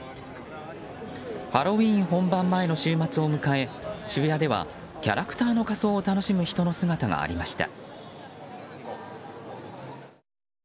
ハロウィーン本番前の週末を迎え渋谷では、キャラクターの仮装を楽しむ人の姿がありました。